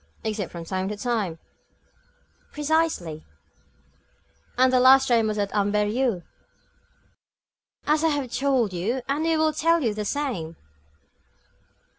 "Except from time to time?" "Precisely." "And the last time was at Amberieux?" "As I have told you, and he will tell you the same."